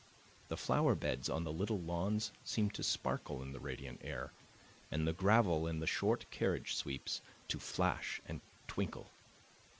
The flower beds on the little lawns seemed to sparkle in the radiant air, and the gravel in the short carriage sweeps to flash and twinkle.